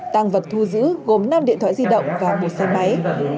tăng vật thu giữ gồm năm điện thoại di động và một xe máy